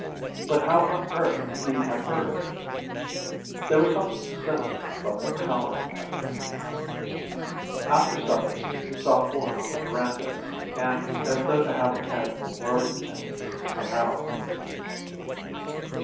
But how on earth could he have heard of it? There was something sinister about the power of that man. After supper he saw Horn on the verandah and, as though to have a casual word with him, went out.